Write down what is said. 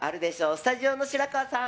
スタジオの白河さん